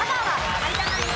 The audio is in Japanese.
有田ナイン